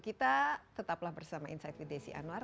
kita tetaplah bersama insight with desi anwar